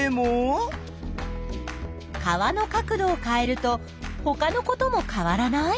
川の角度を変えるとほかのことも変わらない？